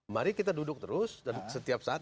mari kita duduk terus dan setiap saat